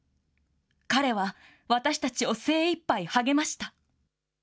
彼は私たちを精いっぱい励ました。